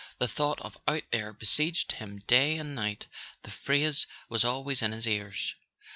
The thought of "Out there" besieged him day and night, the phrase was always in his ears.